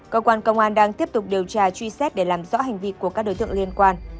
cơ quan công an đang tiếp tục điều tra truy xét để làm rõ hành vi của các đối tượng liên quan